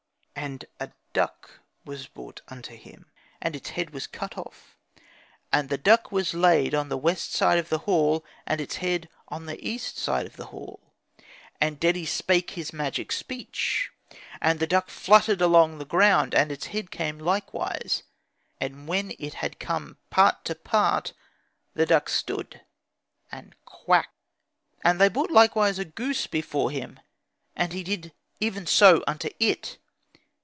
And a duck was brought unto him, and its head was cut off. And the duck was laid on the west side of the hall, and its head on the east side of the hall. And Dedi spake his magic speech. And the duck fluttered along the ground, and its head came likewise; and when it had come part to part the duck stood and quacked. And they brought likewise a goose before him, and he did even so unto it.